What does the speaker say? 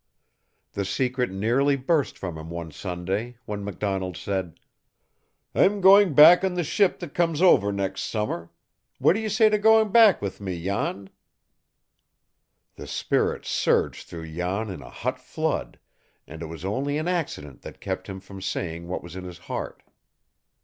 The secret nearly burst from him one Sunday, when MacDonald said: "I'm going home on the ship that comes over next summer. What do you say to going back with me, Jan?" The spirit surged through Jan in a hot flood, and it was only an accident that kept him from saying what was in his heart.